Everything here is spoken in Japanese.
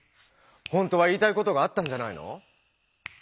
ほんとは言いたいことがあったんじゃないの？